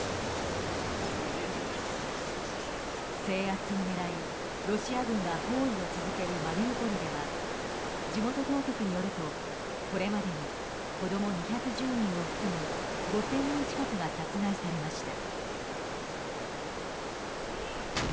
制圧を狙い、ロシア軍が包囲を続けるマリウポリでは地元当局によると、これまでに子供２１０人を含む５０００人近くが殺害されました。